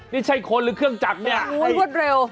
นี้ใช่คนหรือเครื่องจักรนี่ไอนี่ผมพูดเร็ว